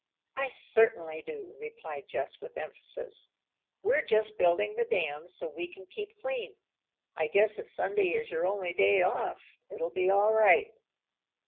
"I certainly do," replied Jess with emphasis. "We're just building the dam so we can keep clean. I guess if Sunday is your only day off, it'll be all right."